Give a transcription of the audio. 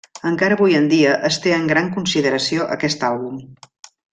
Encara avui en dia es té en gran consideració aquest àlbum.